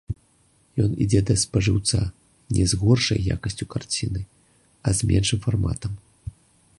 Ён ідзе да спажыўца не з горшай якасцю карціны, а з меншым фарматам.